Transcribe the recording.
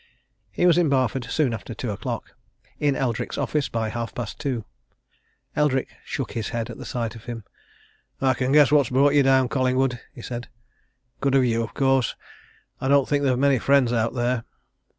He was in Barford soon after two o'clock in Eldrick's office by half past two. Eldrick shook his head at sight of him. "I can guess what's brought you down, Collingwood," he said. "Good of you, of course I don't think they've many friends out there."